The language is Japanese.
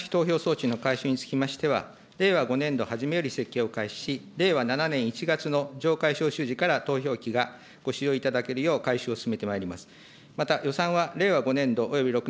押しボタン式投票装置の改修につきましては、令和５年度はじめより設計を開始し、令和７年１月のから投票機がご使用いただけるよう改修を進めてまいります。